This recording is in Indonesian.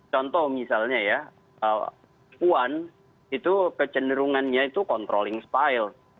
contoh misalnya ya puan itu kecenderungannya itu controlling style